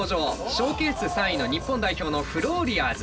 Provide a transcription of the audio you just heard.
ショーケース３位の日本代表のフローリアーズ。